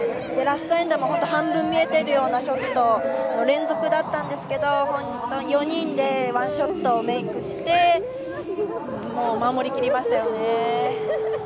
ラストエンドも半分見えているようなショットの連続だったんですけども４人でワンショットをメイクして守り切りましたよね。